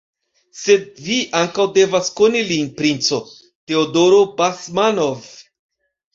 Sed vi ankaŭ devas koni lin, princo: Teodoro Basmanov!